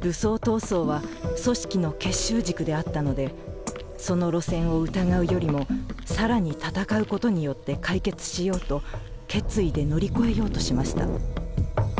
武装斗争は組織の結集軸であったのでその路線を疑うよりも更に斗うことによって解決しようと『決意』で乗り越えようとしました。